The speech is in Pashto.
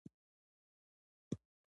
د پیسو پړسوب کنټرول دی؟